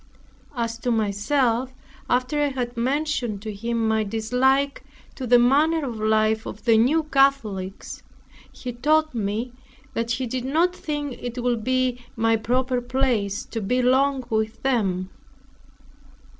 As to myself, after I had mentioned to him my dislike to the manner of life of the New Catholics, he told me, that he did not think it would be my proper place to be long with them.